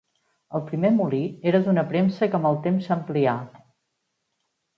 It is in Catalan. El primer molí era d'una premsa que amb el temps s'amplià.